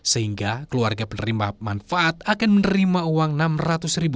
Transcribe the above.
sehingga keluarga penerima manfaat akan menerima uang rp enam ratus